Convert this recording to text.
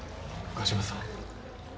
岡島さん。